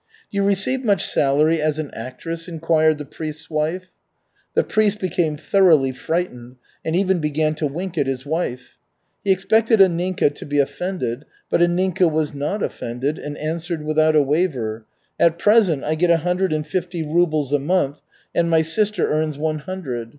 "Do you receive much salary as an actress?" inquired the priest's wife. The priest became thoroughly frightened, and even began to wink at his wife. He expected Anninka to be offended, but Anninka was not offended and answered without a waver, "At present I get a hundred and fifty rubles a month, and my sister earns one hundred.